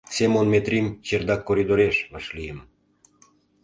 Семон Метрим чердак коридореш вашлийым.